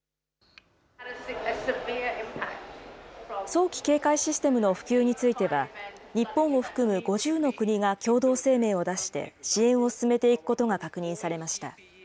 早期警戒システムの普及については、日本を含む５０の国が共同声明を出して支援を進めていくことが確認されました。